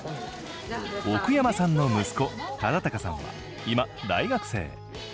奥山さんの息子・忠誉さんは今、大学生。